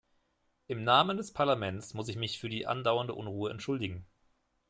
Im Namen des Parlaments muss ich mich für die andauernde Unruhe entschuldigen.